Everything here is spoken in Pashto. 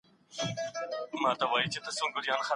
مقابل اړخ هيڅکله د خپل مزاج په اړه رښتيا ونه ويل.